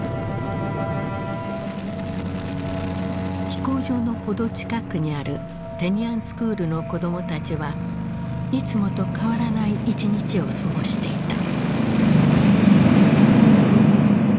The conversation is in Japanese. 飛行場の程近くにあるテニアンスクールの子供たちはいつもと変わらない一日を過ごしていた。